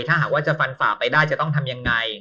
ถ้าหากว่าจะฟันฝ่าไปได้จะต้องทำยังไง